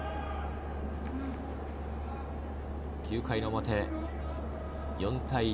９回の表、４対１。